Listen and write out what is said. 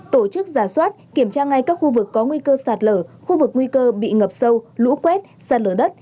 tổ chức giả soát kiểm tra ngay các khu vực có nguy cơ sạt lở khu vực nguy cơ bị ngập sâu lũ quét sạt lở đất